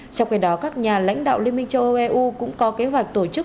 trong khi đó các nhà lãnh đạo liên minh châu âu eu cũng có kế hoạch tổ chức